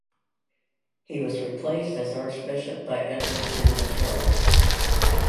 He was replaced as archbishop by Edward Tamba Charles.